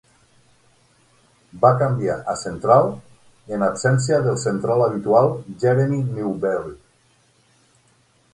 Va canviar a central en absència del central habitual Jeremy Newberry.